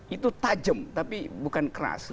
itu tajam tapi bukan keras